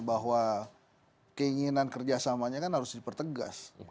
bahwa keinginan kerjasamanya kan harus dipertegas